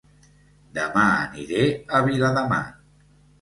Dema aniré a Viladamat